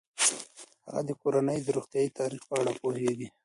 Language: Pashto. هغه د کورنۍ د روغتیايي تاریخ په اړه پوهیږي.